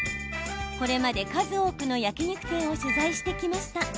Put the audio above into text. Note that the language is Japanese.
これまで数多くの焼き肉店を取材してきました。